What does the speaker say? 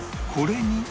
これに